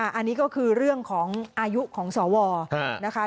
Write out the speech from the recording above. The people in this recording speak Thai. อันนี้ก็คือเรื่องของอายุของสวนะคะ